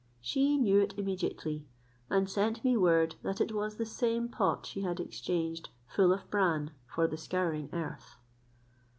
She knew it immediately, and sent me word that it was the same pot she had exchanged full of bran for the scouring earth.